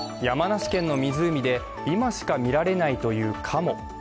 山梨県の湖で、今しか見られないというカモ。